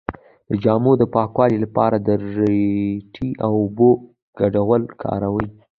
د جامو د پاکوالي لپاره د ریټې او اوبو ګډول وکاروئ